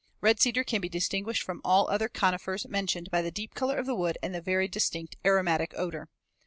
Red cedar can be distinguished from all the other conifers mentioned by the deep color of the wood and the very distinct aromatic odor.